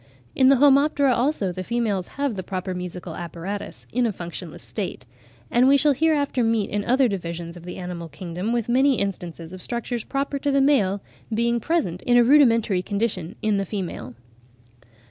In the Homoptera, also, the females have the proper musical apparatus in a functionless state; and we shall hereafter meet in other divisions of the animal kingdom with many instances of structures proper to the male being present in a rudimentary condition in the female.